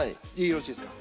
よろしいですか？